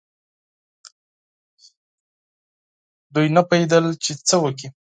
هغوی نه پوهېدل چې څه وکړي.